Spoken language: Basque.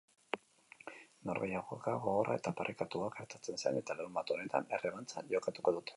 Norgehiagoka gogorra eta parekatua gertatu zen, eta larunbat honetan errebantxa jokatuko dute.